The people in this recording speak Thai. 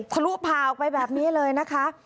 ทะลุพาออกไปแบบนี้เลยนะคะ